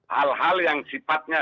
hal hal yang sifatnya